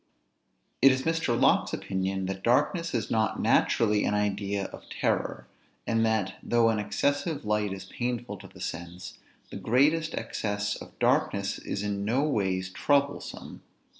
It is Mr. Locke's opinion, that darkness is not naturally an idea of terror; and that, though an excessive light is painful to the sense, the greatest excess of darkness is no ways troublesome.